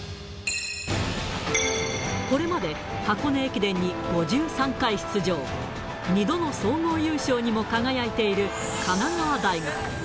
これまで、箱根駅伝に５３回出場、２度の総合優勝にも輝いている神奈川大学。